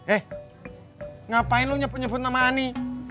eh ngapain lu nyebut nyebut nama ani